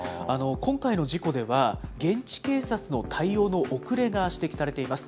今回の事故では現地警察の対応の遅れが指摘されています。